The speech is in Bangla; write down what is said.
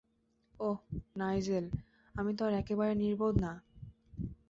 অহ, নাইজেল, আমি তো আর একেবারে নির্বোধ না।